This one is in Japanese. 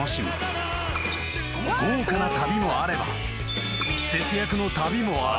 ［豪華な旅もあれば節約の旅もある］